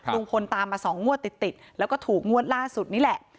ลุงพลตามมา๒งวดติดแล้วก็ถูกงวดล่าสุดนี่แหละ